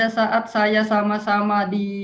saat saya sama sama di